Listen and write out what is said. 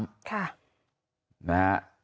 นะฮะ